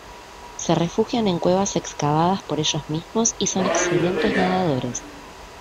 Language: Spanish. Se refugian en cuevas excavadas por ellos mismos y son excelentes nadadores.